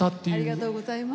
ありがとうございます。